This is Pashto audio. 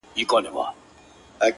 په یو نظر کي مي د سترگو په لړم نیسې،